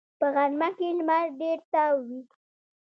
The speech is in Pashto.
په غرمه کې لمر ډېر تاو وي